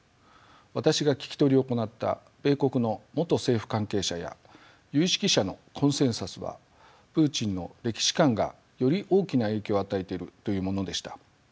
私が聞き取りを行った米国の元政府関係者や有識者のコンセンサスはプーチンの歴史観がより大きな影響を与えているというものでした。